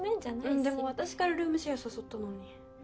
うんでも私からルームシェア誘ったのに。